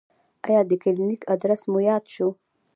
ایا د کلینیک ادرس مو یاد شو؟